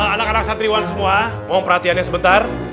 anak anak santriwan semua mohon perhatiannya sebentar